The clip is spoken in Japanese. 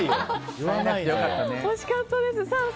惜しかったです。